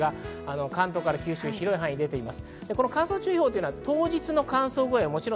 関東から九州、広い範囲に出ています。